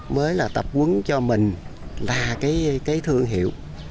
mới là tập quấn cho mình là cái thương hiệu